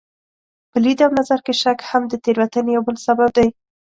په لید او نظر کې شک هم د تېروتنې یو بل سبب دی.